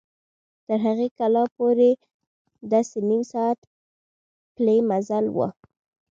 تر هغې کلا پورې داسې نیم ساعت پلي مزل و.